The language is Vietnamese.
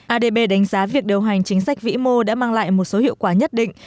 adb đánh giá việc điều hành chính sách vĩ mô đã mang lại một số hiệu quả nhất định